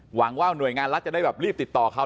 หวังว่าหน่วยงานรัฐจะได้แบบรีบติดต่อเขา